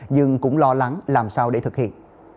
nhưng cũng lo lắng làm sao để thực hiện